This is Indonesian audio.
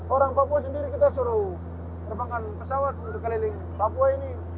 orang papua sendiri kita suruh terbangkan pesawat untuk keliling papua ini